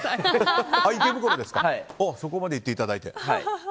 そこまで言っていただいて。